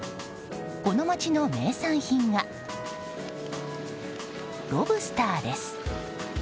この町の名産品がロブスターです。